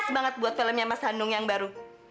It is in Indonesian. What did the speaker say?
pas banget buat filmnya mas danung yang baru